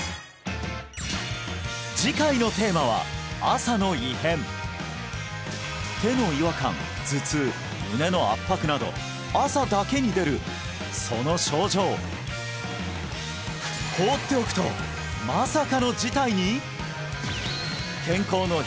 次回のテーマは「朝の異変」手の違和感頭痛胸の圧迫など朝だけに出るその症状放っておくとまさかの事態に！？